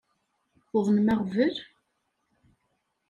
Tuḍnem aɣbel?